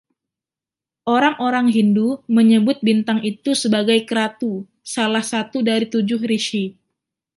Orang-orang Hindu menyebut bintang itu sebagai "Kratu", salah satu dari Tujuh Rishi.